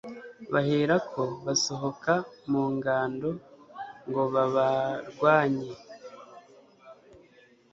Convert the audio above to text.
bahera ko basohoka mu ngando ngo babarwanye